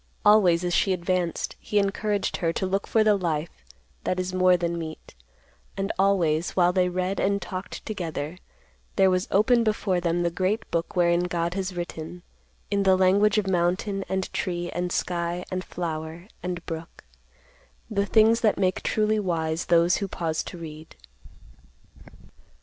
Always as she advanced, he encouraged her to look for the life that is more than meat, and always, while they read and talked together, there was opened before them the great book wherein God has written, in the language of mountain, and tree, and sky, and flower, and brook, the things that make truly wise those who pause to read.